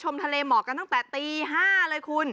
สุดยอดน้ำมันเครื่องจากญี่ปุ่น